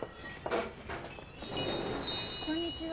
こんにちは。